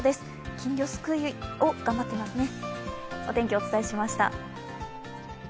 金魚すくいを頑張っていますね。